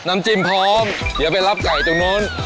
น้ำจิ้มพร้อมเดี๋ยวไปรับไก่ตรงนู้น